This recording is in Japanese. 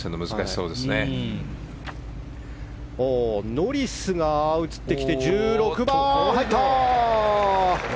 ノリスが映ってきて１６番、入った！